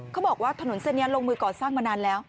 เขาบอกว่าถนนเส้นนี้ลงมือก่อสร้างมานานแล้ว